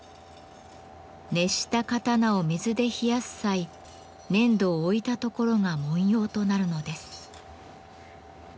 熱した刀を水で冷やす際粘土を置いた所が文様となるのです。